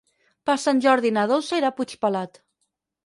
Per Sant Jordi na Dolça irà a Puigpelat.